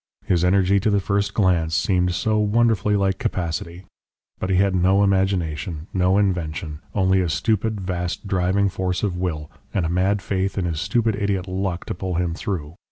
His energy to the first glance seemed so wonderfully like capacity! But he had no imagination, no invention, only a stupid, vast, driving force of will, and a mad faith in his stupid idiot 'luck' to pull him through.